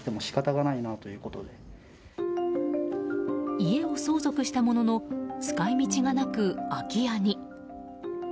家を相続したものの使い道がなく、空き家に。